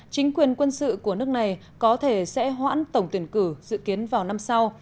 chính quyền quân sự của nước này có thể sẽ hoãn tổng tuyển cử dự kiến vào năm sau